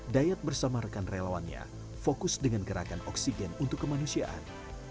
dayat bersama rekan relawannya fokus dengan gerakan oksigen untuk kemanusiaan